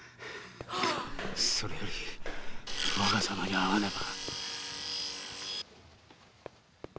それより若様に会わねば。